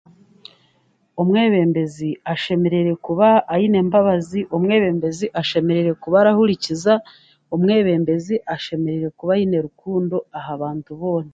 Omwebembezi ashemereire kuba ayine embabazi, omwebembezi ashemereire kuba arahuriikiza, omwebembezi ashemereire kuba ayiine rukundo aha baantu boona.